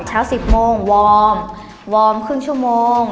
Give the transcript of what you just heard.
เช้า๑๐โมงวอร์มวอร์มครึ่งชั่วโมง